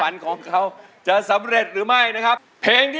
น้องพ่อสิให้นำบอก